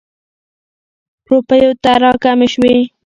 روپیو ته را کمې شوې.